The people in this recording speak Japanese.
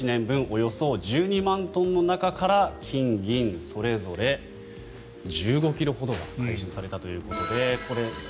およそ１２万トンの中から金銀それぞれ１５ｋｇほどが回収されたということで。